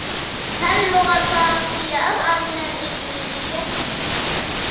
هل اللغة الفرنسية أصعب من الإنجليزية؟